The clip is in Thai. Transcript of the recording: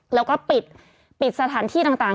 แล้วก็ปิดสถานที่ต่าง